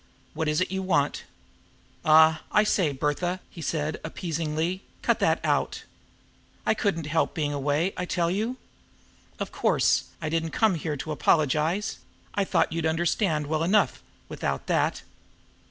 What is it you want?" "Ah, I say, Bertha!" he said appeasingly. "Cut that out! I couldn't help being away, I tell you. Of course, I didn't come here to apologize I thought you'd understand well enough without that.